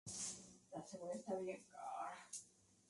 Son nativos de Sudáfrica.